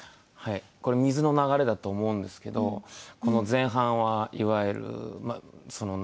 これ水の流れだと思うんですけどこの前半はいわゆる何て言うんですかね